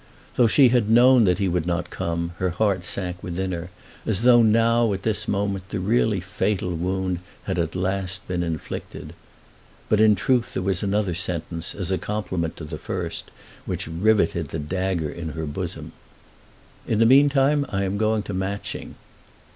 Though she had known that he would not come her heart sank within her, as though now, at this moment, the really fatal wound had at last been inflicted. But, in truth, there was another sentence as a complement to the first, which rivetted the dagger in her bosom. "In the meantime I am going to Matching."